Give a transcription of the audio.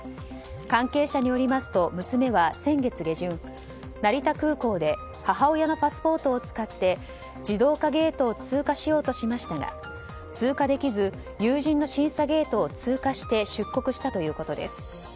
関係者によりますと娘は先月下旬成田空港で母親のパスポートを使って自動化ゲートを通過しようとしましたが通過できず有人の審査ゲートを通過して出国したということです。